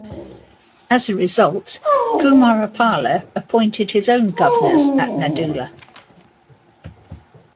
As a result, Kumarapala appointed his own governors at Naddula.